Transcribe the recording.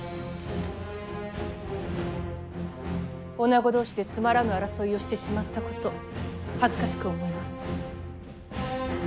女子同士でつまらぬ争いをしてしまったこと恥ずかしく思います。